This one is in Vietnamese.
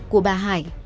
của bà hải